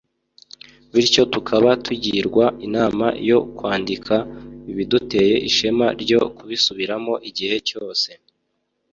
bityo tukaba tugirwa inama yo kwandika ibiduteye ishema ryo kubisubiramo igihe cyose